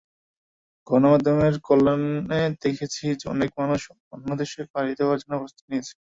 গণমাধ্যমের কল্যাণে দেখেছি, অনেক মানুষ অন্য দেশে পাড়ি দেওয়ার জন্য প্রস্তুতি নিয়েছে।